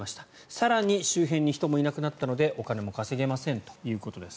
更に周辺に人がいなくなったのでお金も稼げませんということです。